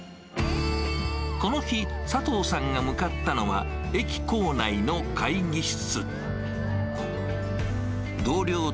この日、佐藤さんが向かったのは、駅構内の会議室。